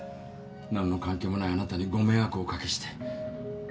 何の関係もないあなたにご迷惑をお掛けして